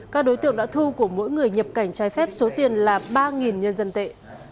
các đối tượng đã thu của mỗi người nhập cảnh trái phép số tiền là ba nhân dân tệ